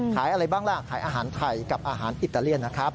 อะไรบ้างล่ะขายอาหารไทยกับอาหารอิตาเลียนนะครับ